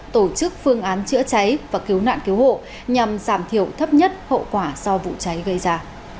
tổ chức phương án chữa cháy và cứu nạn cứu hộ nhằm giảm thiểu thấp nhất hậu quả do vụ cháy gây ra